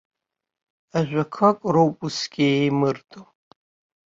Ажәақәак роуп усгьы еимырдо.